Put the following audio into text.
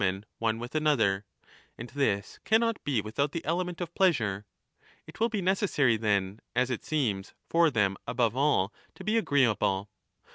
i2io^ MAGNA MORALIA one with another ; and this cannot be without the element of pleasure. It will be necessary, then, as it seems, for 5 them above all to be agreeable.